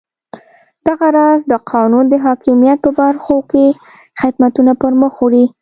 دغه راز د قانون د حاکمیت په برخو کې خدمتونه پرمخ وړي.